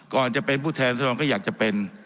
ก่อนจะเป็นผู้แทนสดรก็อยากจะเป็น